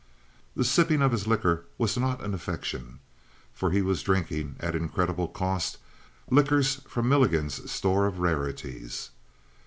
The sipping of his liquor was not an affectation. For he was drinking, at incredible cost, liquors from Milligan's store of rareties.